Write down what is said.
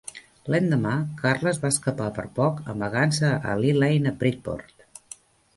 L'endemà, Carles va escapar per poc amagant-se a Lee Lane, a Bridport.